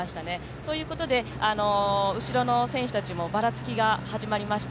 そういうことで後ろの選手たちもばらつきが始まりました。